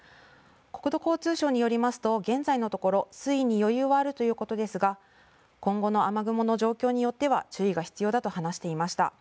国土交通省によりますと現在のところ水位に余裕はあるということですが今後の雨雲の状況によっては注意が必要だと話していました。